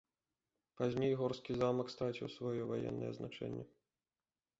Пазней горскі замак страціў сваё ваеннае значэнне.